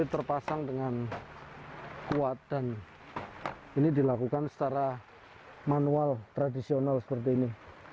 terpasang dengan kuat dan ini dilakukan secara manual tradisional seperti ini